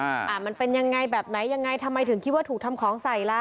อ่ามันเป็นยังไงแบบไหนยังไงทำไมถึงคิดว่าถูกทำของใส่ล่ะ